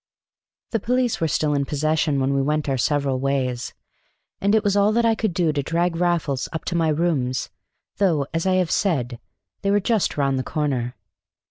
The police were still in possession when we went our several ways, and it was all that I could do to drag Raffles up to my rooms, though, as I have said, they were just round the corner.